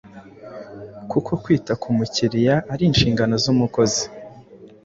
kuko kwita ku mukiriya ari inshingano z’umukozi.